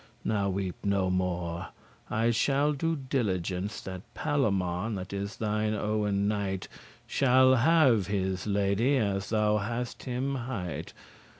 Now weep no more, I shall do diligence That Palamon, that is thine owen knight, Shall have his lady, as thou hast him hight*.